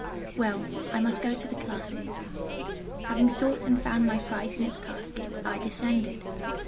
Well, I must go to the classes. Having sought and found my prize in its casket, I descended.